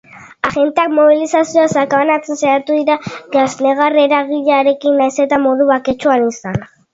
Agenteak mobilizazioa sakabanatzen saiatu dira gas negar-eragileekin, nahiz eta modu baketsuan izan.